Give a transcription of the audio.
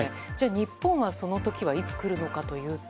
日本はその時はいつ来るのか。